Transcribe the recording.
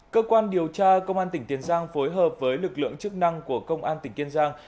cơ quan điều tra công an tỉnh tiền giang phối hợp với lực lượng chức năng của công an tỉnh kiên giang